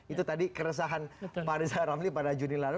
itu tadi keresahan pak rizal ramli pada juni lalu